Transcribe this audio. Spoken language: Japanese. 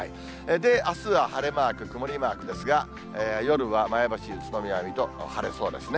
あすは晴れマーク、曇りマークですが、夜は前橋、宇都宮、水戸、晴れそうですね。